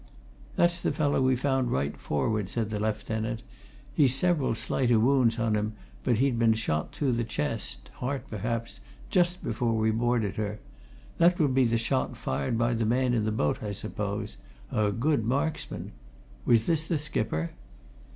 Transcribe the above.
"That's the fellow we found right forward," said the lieutenant. "He's several slighter wounds on him, but he'd been shot through the chest heart, perhaps just before we boarded her. That would be the shot fired by the man in the boat, I suppose a good marksman! Was this the skipper?"